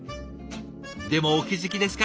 でもお気付きですか？